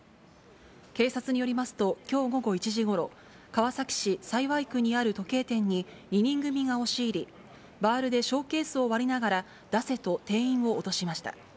警察によりますと、きょう午後１時ごろ、川崎市幸区にある時計店に２人組が押し入り、バールでショーケースを割りながら、出せと店員を脅しました。